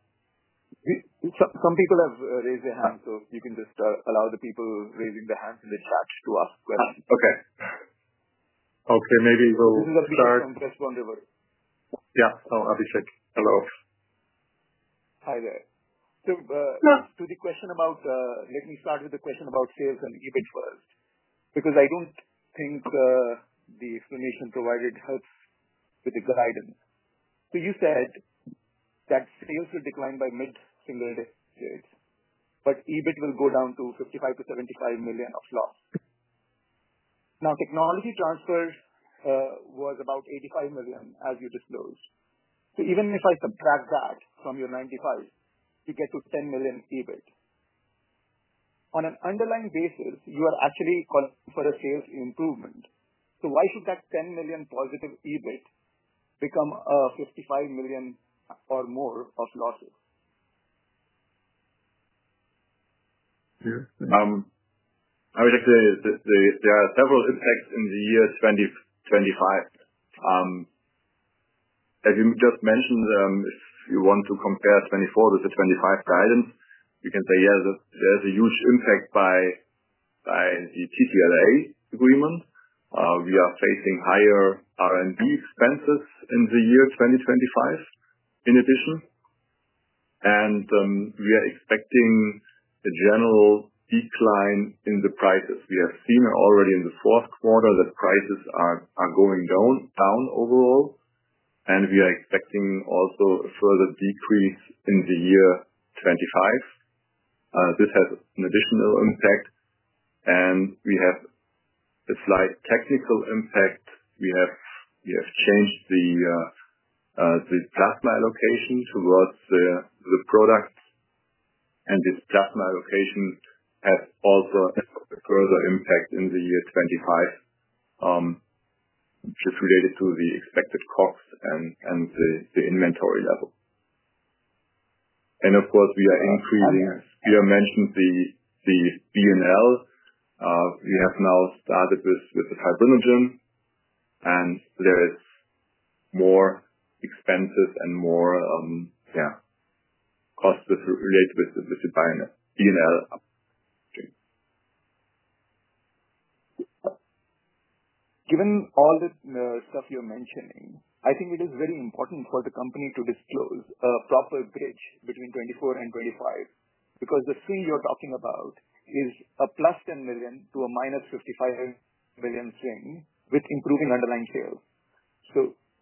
Some people have raised their hand, so you can just allow the people raising their hands in the chat to ask questions. Okay. Maybe we'll start. This is Abhishek from Westbourne River. Yeah. Oh, Abhishek. Hello. Hi there. To the question about, let me start with the question about sales and EBIT first, because I don't think the explanation provided helps with the guidance. You said that sales will decline by mid-single-digits, but EBIT will go down to 55 million to 75 million of loss. Now, technology transfer was about 85 million, as you disclosed. Even if I subtract that from your 95 million, you get to 10 million EBIT. On an underlying basis, you are actually calling for a sales improvement. Why should that 10 million positive EBIT become a 55 million or more of losses? I would like to say that there are several impacts in the year 2025. As you just mentioned, if you want to compare 2024 with the 2025 guidance, you can say, yeah, there's a huge impact by the TTLA Agreement. We are facing higher R&D expenses in the year 2025 in addition. We are expecting a general decline in the prices. We have seen already in the Q4 that prices are going down overall. We are expecting also a further decrease in the year 2025. This has an additional impact, and we have a slight technical impact. We have changed the plasma allocation towards the products, and this plasma allocation has also a further impact in the year 2025, just related to the expected costs and the inventory level. Of course, we are increasing. Peter mentioned the BNL. We have now started with the Fibrinogen, and there is more expenses and more, yeah, costs related with the BNL. Given all the stuff you're mentioning, I think it is very important for the company to disclose a proper bridge between 2024 and 2025, because the swing you're talking about is a plus 10 million to a minus 55 million swing with improving underlying sales.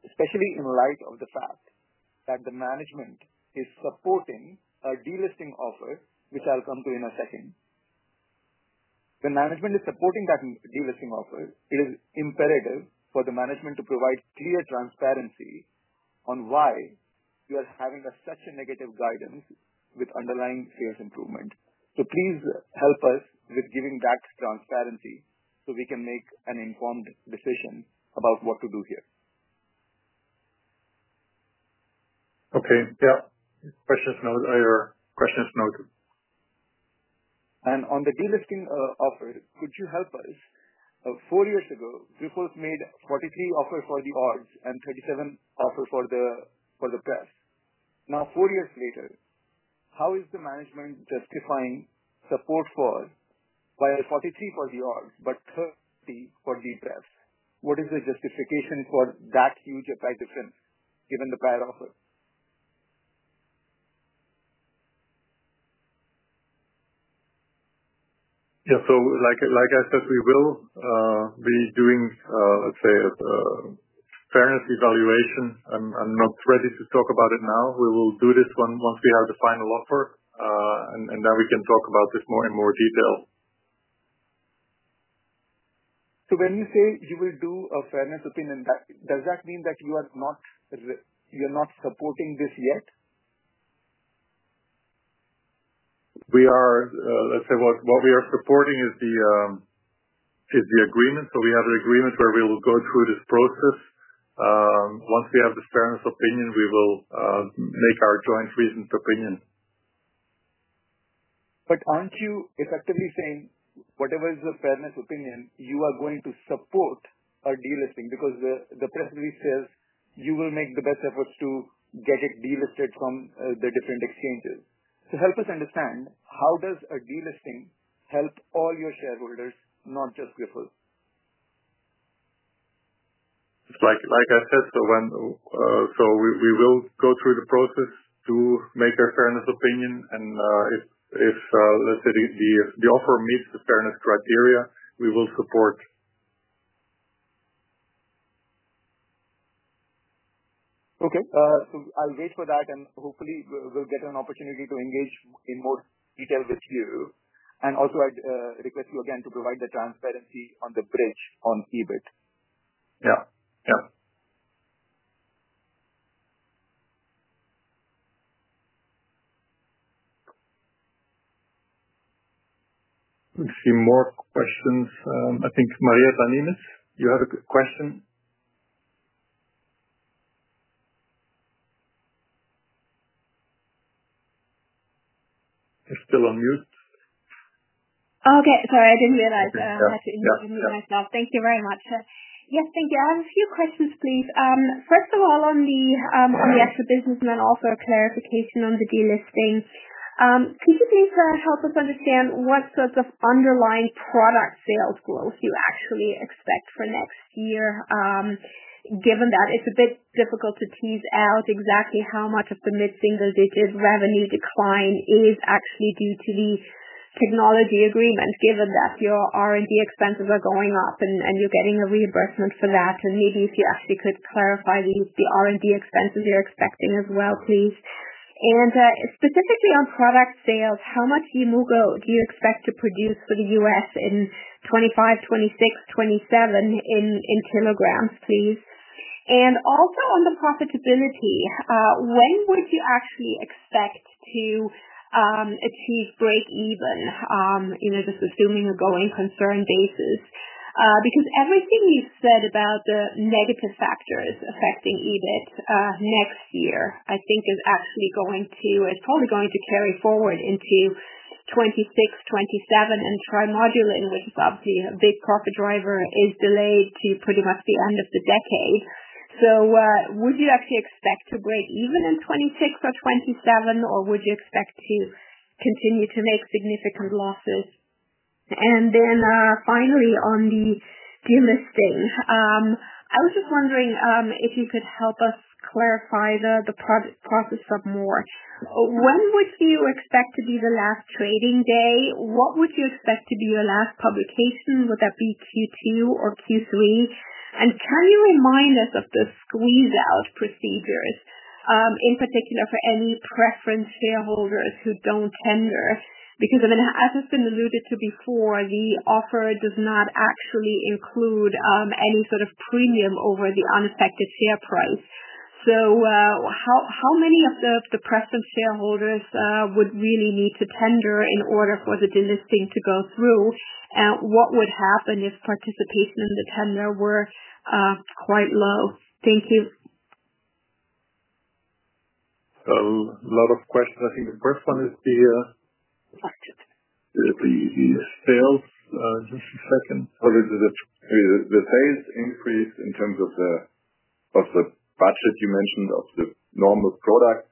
Especially in light of the fact that the management is supporting a delisting offer, which I'll come to in a second, the management is supporting that delisting offer, it is imperative for the management to provide clear transparency on why you are having such a negative guidance with underlying sales improvement. Please help us with giving that transparency so we can make an informed decision about what to do here. Okay. Questions, note or questions, note. On the delisting offer, could you help us? Four years ago, Grifols made 43 offer for the ords and 37 offer for the, for the prefs. Now, four years later, how is the management justifying support for, like, 43 for the ords, but 30 for the prefs? What is the justification for that huge price difference given the prior offer? Yeah. Like I said, we will be doing, let's say, a fairness evaluation. I'm not ready to talk about it now. We will do this once we have the final offer, and then we can talk about this more and more detail. When you say you will do a fairness opinion, does that mean that you are not, you're not supporting this yet? We are, let's say, what we are supporting is the agreement. We have an agreement where we will go through this process. Once we have the fairness opinion, we will make our joint recent opinion. Aren't you effectively saying whatever is the fairness opinion, you are going to support a delisting because the press release says you will make the best efforts to get it delisted from the different exchanges? Help us understand how does a delisting help all your shareholders, not just Grifols? Like I said, we will go through the process to make a fairness opinion. If, let's say, the offer meets the fairness criteria, we will support. Okay. I will wait for that, and hopefully we will get an opportunity to engage in more detail with you. I would request you again to provide the transparency on the bridge on EBIT. Yeah. Let's see more questions. I think Maria Danimis, you have a question? You're still on mute. Okay. Sorry, I didn't realize I had to introduce myself. Thank you very much. Yes, thank you. I have a few questions, please. First of all, on the actual business. Also a clarification on the delisting. Could you please help us understand what sorts of underlying product sales growth you actually expect for next year? Given that it's a bit difficult to tease out exactly how much of the mid-single-digit revenue decline is actually due to the technology agreement, given that your R&D expenses are going up and you're getting a reimbursement for that. Maybe if you actually could clarify the R&D expenses you're expecting as well, please. Specifically on product sales, how much Yimmugo® do you expect to produce for the U.S. in 2025, 2026, 2027 in kilograms, please? Also on the profitability, when would you actually expect to achieve break even, you know, just assuming a going concern basis? Because everything you've said about the negative factors affecting EBIT next year, I think is actually going to, is probably going to carry forward into 2026, 2027, and Trimodulin, which is obviously a big profit driver, is delayed to pretty much the end of the decade. Would you actually expect to break even in 2026 or 2027, or would you expect to continue to make significant losses? Finally, on the delisting, I was just wondering if you could help us clarify the process some more. When would you expect to be the last trading day? What would you expect to be your last publication? Would that be Q2 or Q3? Can you remind us of the squeeze-out procedures, in particular for any preference shareholders who do not tender? I mean, as has been alluded to before, the offer does not actually include any sort of premium over the unaffected share price. How many of the preference shareholders would really need to tender in order for the delisting to go through? What would happen if participation in the tender were quite low? Thank you. A lot of questions. I think the first one is the sales, just a second. What is the sales increase in terms of the budget you mentioned of the normal product,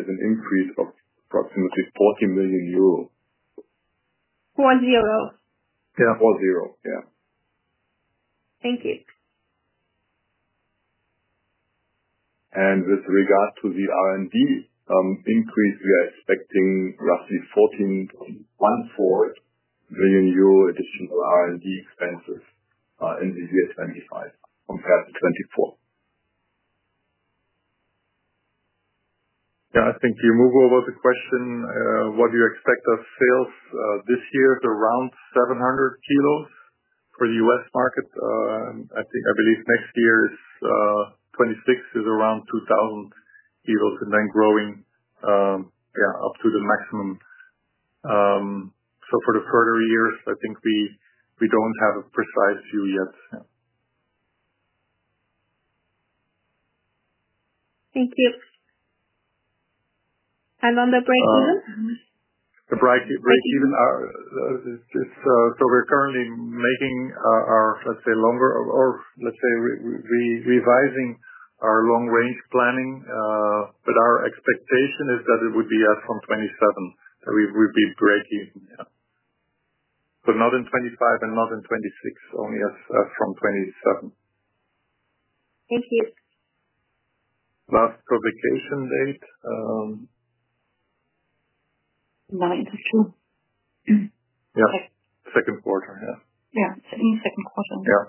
is an increase of approximately 40 million euros. Four zero. Yeah. Four zero. Yeah. Thank you. With regard to the R&D increase, we are expecting roughly 14.14 million euro additional R&D expenses in the year 2025 compared to 2024. Yeah. I think you moved over the question. What do you expect of sales? This year is around 700 kilos for the U.S. market. I think, I believe next year is, 2026 is around 2,000 kilos and then growing, yeah, up to the maximum. For the further years, I think we, we do not have a precise view yet. Yeah. Thank you. And on the break even? The break even, it is, so we are currently making our, our, let's say, longer or, or let's say we are revising our long range planning. Our expectation is that it would be as from 2027 that we would be break even. Yeah. Not in 2025 and not in 2026, only as from 2027. Thank you. Last publication date— 2022. Yeah. Second quarter. Yeah. Yeah. 2022, Q2. Yeah.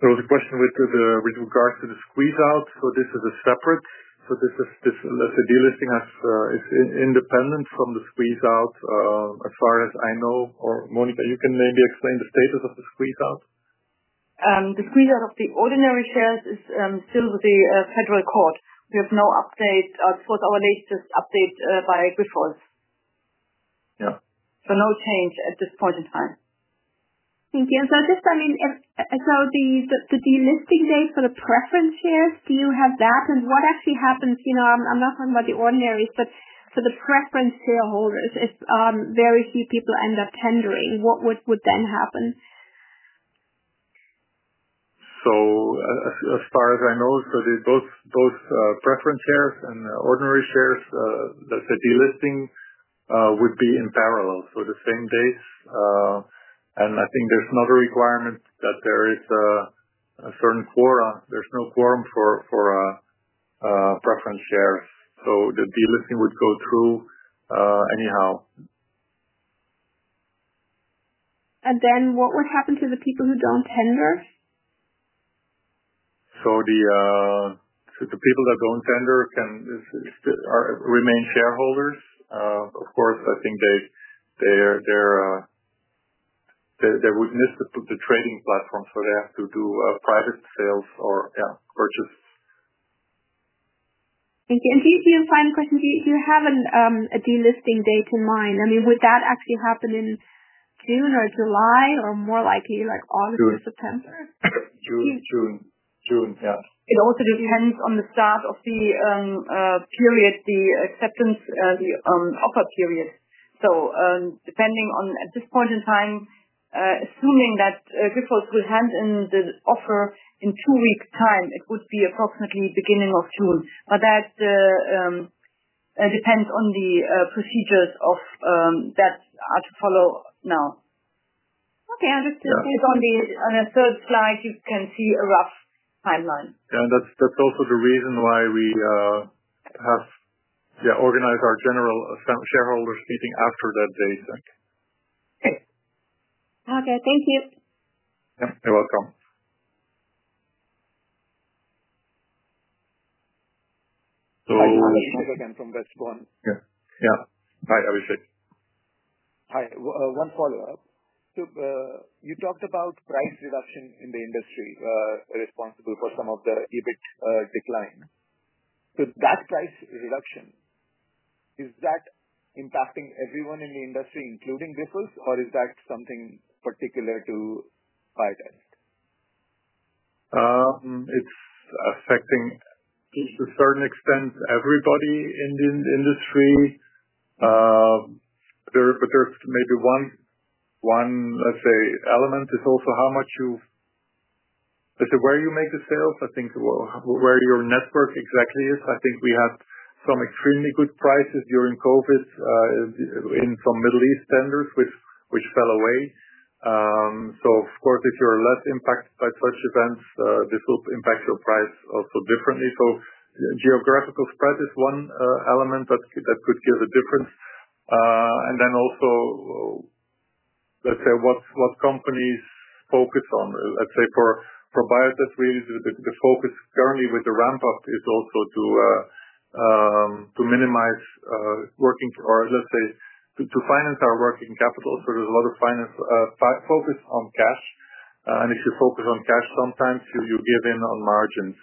There was a question with the, with regards to the squeeze-out. This is a separate. This is, this, let's say, delisting is independent from the squeeze-out, as far as I know. Monika, you can maybe explain the status of the squeeze-out. The squeeze-out of the ordinary shares is still with the federal court. We have no update, for our latest update, by Grifols. Yeah. No change at this point in time. Thank you. Just, I mean, if the delisting date for the preference shares, do you have that? What actually happens, you know, I'm not talking about the ordinaries, but for the preference shareholders, if very few people end up tendering, what would then happen? As far as I know, both preference shares and ordinary shares, let's say delisting, would be in parallel. The same dates. I think there's not a requirement that there is a certain quorum. There's no quorum for preference shares. The delisting would go through, anyhow. What would happen to the people who don't tender? The people that don't tender can remain shareholders. Of course, I think they would miss the trading platform, so they have to do private sales or, yeah, purchase. Thank you. I do have a final question. Do you have a delisting date in mind? I mean, would that actually happen in June or July or more likely, like, August or September? June. June. June. June. Yeah. It also depends on the start of the period, the acceptance, the offer period. Depending on at this point in time, assuming that Grifols will hand in the offer in two weeks' time, it would be approximately beginning of June. That depends on the procedures that are to follow now. Okay. It's on the third slide, you can see a rough timeline. That is also the reason why we have organized our general shareholders meeting after that date. Okay. Thank you. You're welcome. Hi, Abhishek again from Westbourne. Yeah. Hi, Abhishek. Hi, one follow-up. You talked about price reduction in the industry, responsible for some of the EBIT decline. That price reduction, is that impacting everyone in the industry, including Grifols, or is that something particular to Biotest? It's affecting to a certain extent everybody in the industry. There is maybe one, one, let's say, element is also how much you, let's say, where you make the sales, I think, where your network exactly is. I think we had some extremely good prices during COVID, in some Middle East tenders, which, which fell away. Of course, if you're less impacted by such events, this will impact your price also differently. Geographical spread is one element that could give a difference. Then also, let's say, what companies focus on, let's say, for Biotest, really, the focus currently with the ramp-up is also to minimize, working or, let's say, to finance our working capital. There is a lot of finance, focus on cash. If you focus on cash, sometimes you give in on margins.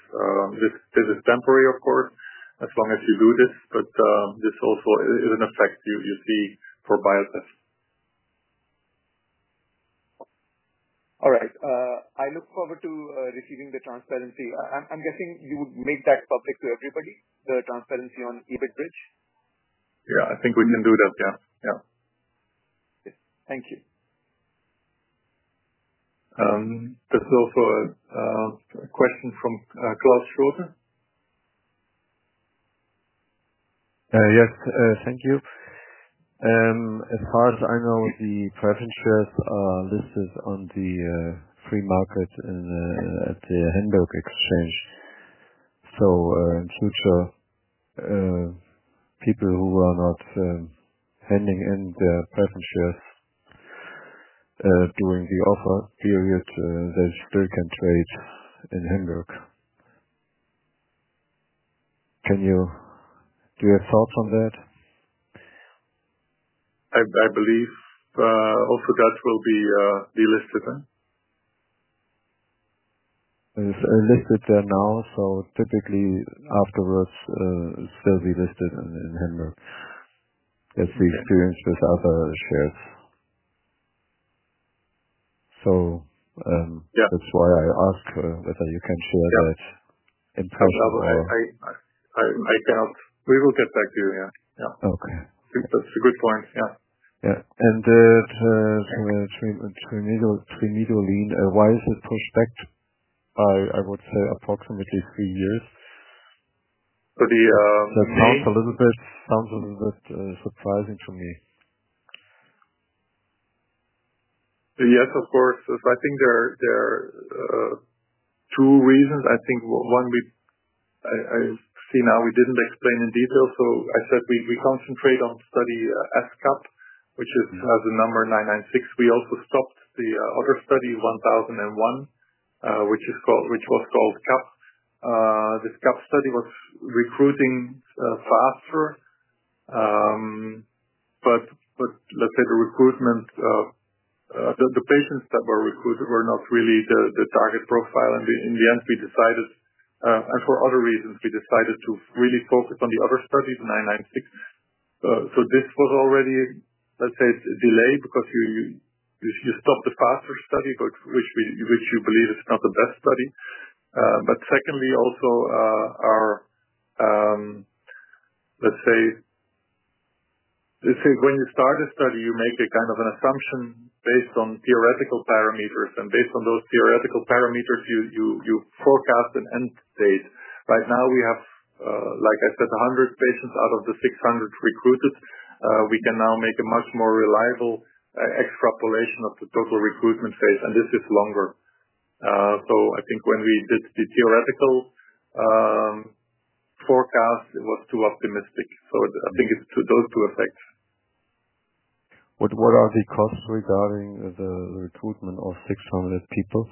This is temporary, of course, as long as you do this. This also is an effect you see for Biotest. All right. I look forward to receiving the transparency. I'm guessing you would make that public to everybody, the transparency on EBIT Bridge? Yeah. I think we can do that. Yeah. Yeah. Thank you. There is also a question from Klaus Schroeder? Yes. Thank you. As far as I know, the preference shares are listed on the free market at the Hamburg Exchange. In future, people who are not handing in their preference shares during the offer period, they still can trade in Hamburg. Do you have thoughts on that? I believe also that will be delisted then. It's listed there now. Typically afterwards, it will still be listed in Hamburg. That's the experience with other shares. Yeah. That's why I asked whether you can share that impression of. Yeah. I mean, I cannot. We will get back to you. Yeah. Yeah. Okay. That's a good point. Yeah. Yeah. And the Trimodulin, why is it pushed back by, I would say, approximately three years? That sounds a little bit, sounds a little bit, surprising to me. Yes, of course. I think there are two reasons. I think one, we, I see now we did not explain in detail. I said we concentrate on study ESsCAPE, which has the number 996. We also stopped the other study 1001, which is called, which was called CAP. This CAP study was recruiting faster. But, let's say the recruitment, the patients that were recruited were not really the target profile. In the end, we decided, and for other reasons, we decided to really focus on the other study, the 996. This was already, let's say, delayed because you stopped the faster study, which you believe is not the best study. Secondly, also, let's say when you start a study, you make a kind of an assumption based on theoretical parameters. Based on those theoretical parameters, you forecast an end date. Right now we have, like I said, 100 patients out of the 600 recruited. We can now make a much more reliable extrapolation of the total recruitment phase. This is longer. I think when we did the theoretical forecast, it was too optimistic. I think it is due to those two effects. What are the costs regarding the recruitment of 600 people?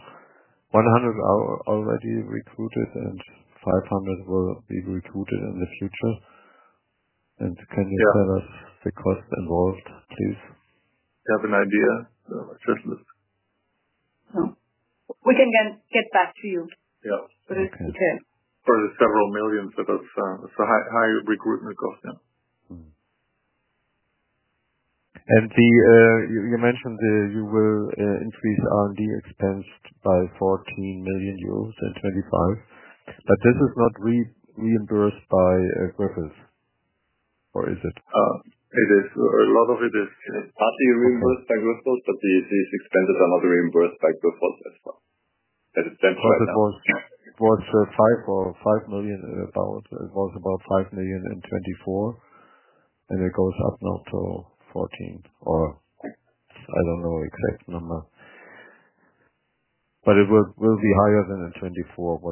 100 are already recruited and 500 will be recruited in the future? Can you tell us the cost involved, please? Do you have an idea? Just— We can get back to you. Yeah. It is okay. For the several millions, that is, it is a high, high recruitment cost. You mentioned you will increase R&D expense by 14 million euros in 2025. This is not reimbursed by Grifols, or is it? It is. A lot of it is partly reimbursed by Grifols, but these expenses are not reimbursed by Grifols as well. That is just right now. Because it was five million about. It was about 5 million in 2024. It goes up now to 14 million or I do not know exact number. It will be higher than in 2024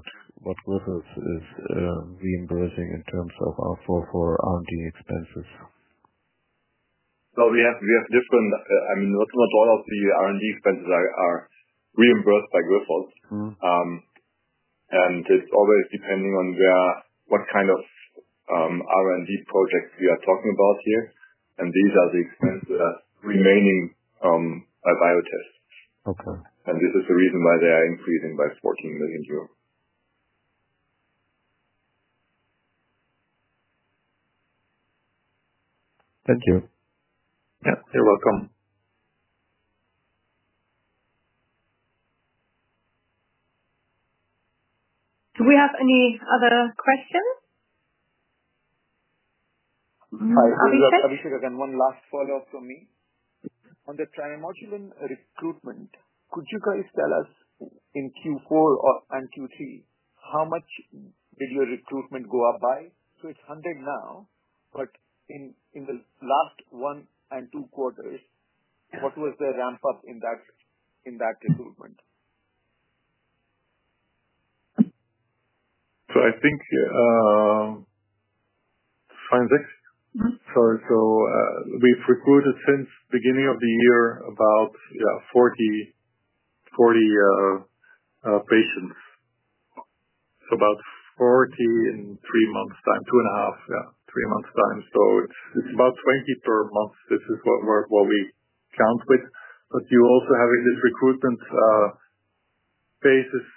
what Grifols is reimbursing in terms of, for, for R&D expenses. We have different, I mean, not all of the R&D expenses are reimbursed by Grifols. It is always depending on where, what kind of R&D projects we are talking about here. These are the expenses that are remaining by Biotest. Okay. This is the reason why they are increasing by 14 million euros. Thank you. Yeah. You're welcome. Do we have any other questions? Hi, I wish. Hi, I wish. I wish you again one last follow-up from me. On the Trimodulin recruitment, could you guys tell us in Q4 and Q3 how much did your recruitment go up by? It is 100 now, but in the last one and two quarters, what was the ramp-up in that recruitment? I think, science. We've recruited since the beginning of the year about, yeah, 40, 40 patients. About 40 in three months' time, two and a half, yeah, three months' time. It's about 20 per month. This is what we count with. You also have in this recruitment basis,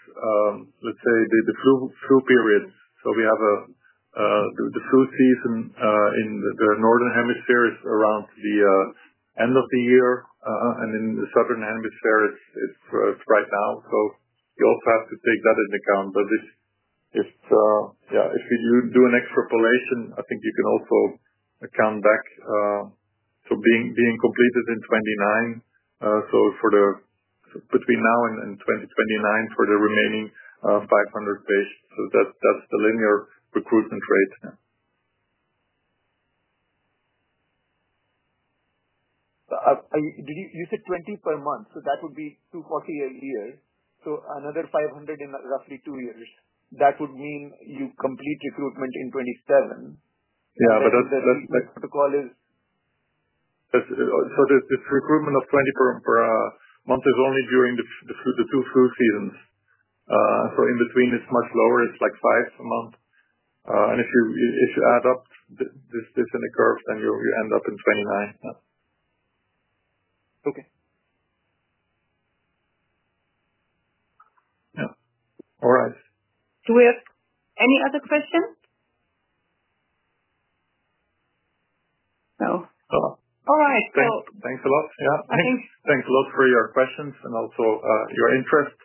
let's say, the flu period. We have the flu season in the northern hemisphere around the end of the year, and in the southern hemisphere, it's right now. You also have to take that into account. If you do an extrapolation, I think you can also account back, so being completed in 2029. For the period between now and 2029 for the remaining 500 patients, that's the linear recruitment rate. Did you, you said 20 per month. That would be 240 a year. Another 500 in roughly two years. That would mean you complete recruitment in 2027? Yeah. The protocol is—, The recruitment of 20 per month is only during the two flu seasons. In between, it is much lower. It is like five a month. If you add up this in the curve, then you end up in 2029. Yeah. Okay. All right. Do we have any other questions? No. All right. Thanks. Thanks a lot. Yeah. Thanks. Thanks a lot for your questions and also your interest.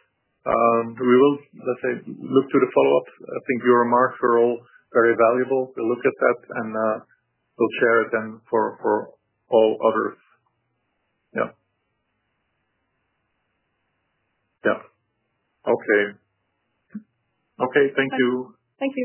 We will, let's say, look to the follow-ups. I think your remarks were all very valuable. We will look at that and we will share it then for all others. Yeah. Yeah. Okay. Okay. Thank you. Thank you.